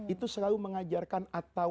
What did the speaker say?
itu selalu mengajarkan